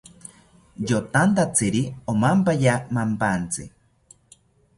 Yotantatziri omampaya mampantzi